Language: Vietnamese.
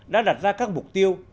đã đặt ra các mục tiêu